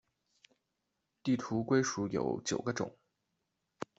地图龟属有九个种。